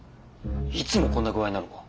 いつもこんな具合なのか？